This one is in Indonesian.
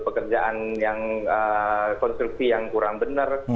pekerjaan yang konstruksi yang kurang benar